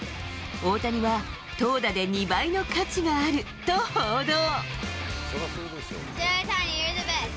大谷は、投打で２倍の価値があると報道。